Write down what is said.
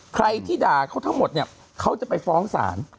ใครที่ด่าเขาทั้งหมดเนี่ยเขาจะไปฟ้องศาล